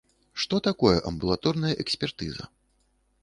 Што такое амбулаторная экспертыза?